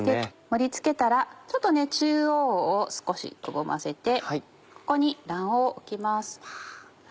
盛り付けたらちょっと中央を少しくぼませてここに卵黄を置きます。